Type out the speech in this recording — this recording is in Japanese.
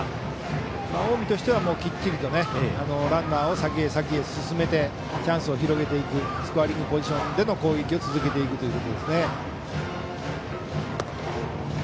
近江としてはきっちりとランナーを先に進めてチャンスを広げていくスコアリングポジションでの攻撃を続けていくということです。